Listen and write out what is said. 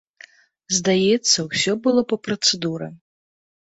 Здаецца, усё было па працэдуры.